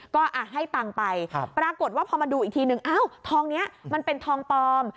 ก็ให้ตังค์ไปปรากฏว่าพอมาดูอีกทีนึงอ้าวทองนี้มันเป็นทองปลอม